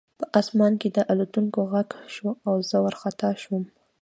په آسمان کې د الوتکو غږ شو او زه وارخطا شوم